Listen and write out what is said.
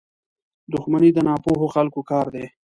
• دښمني د ناپوهو خلکو کار دی.